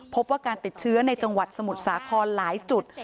พบว่าการติดเชื้อในจังหวัดสมุทรสาครหลายจุด